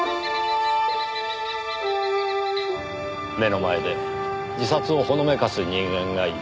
目の前で自殺をほのめかす人間がいる。